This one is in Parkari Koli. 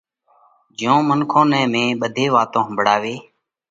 جئيون منکون نئہ مئين ٻڌئي وات ۿمڀۯاوئِيه۔